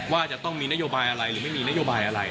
ว่าจะต้องมีนโยบายอะไรหรือไม่มีนโยบายอะไร